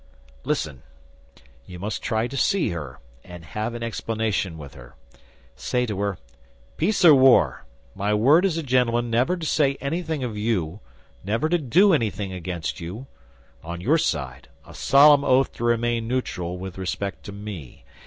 "Listen! You must try to see her, and have an explanation with her. Say to her: 'Peace or war! My word as a gentleman never to say anything of you, never to do anything against you; on your side, a solemn oath to remain neutral with respect to me.